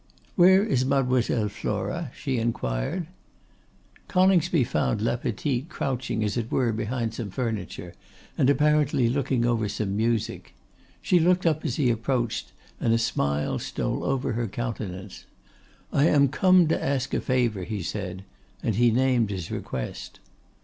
'Where is Mademoiselle Flora?' she inquired. Coningsby found La Petite crouching as it were behind some furniture, and apparently looking over some music. She looked up as he approached, and a smile stole over her countenance. 'I am come to ask a favour,' he said, and he named his request.